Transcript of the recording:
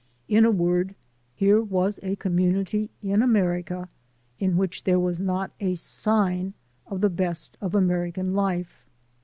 In a word, here was a community in America in which there was not a sign of the best of American life.